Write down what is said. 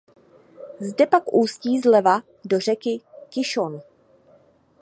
Zde pak ústí zleva do řeky Kišon.